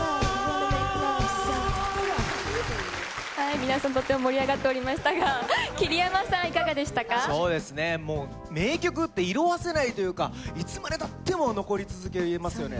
皆さん、とっても盛り上がっておりましたが、桐山さん、そうですね、もう名曲って色あせないというか、いつまでたっても残り続けますよね。